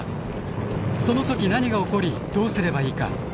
その時何が起こりどうすればいいか。